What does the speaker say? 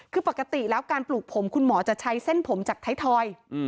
คือปกติแล้วการปลูกผมคุณหมอจะใช้เส้นผมจากไทยทอย